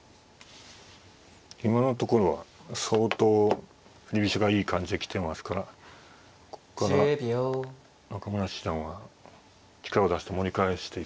今のところは相当振り飛車がいい感じで来てますからこっから中村七段は力を出して盛り返していきたいところですよね。